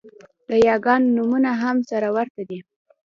د یاګانو نومونه هم سره ورته دي